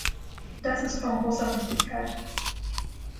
Das ist von großer Wichtigkeit.